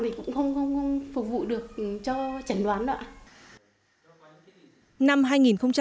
thì cũng không phục vụ được cho chẳng đoán đó ạ